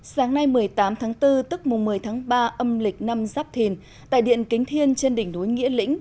sáng nay một mươi tám tháng bốn tức mùng một mươi tháng ba âm lịch năm giáp thìn tại điện kính thiên trên đỉnh núi nghĩa lĩnh